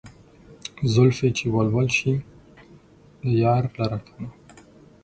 زلفې چې ول ول شي يار لره کنه